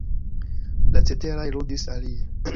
La ceteraj ludis alie.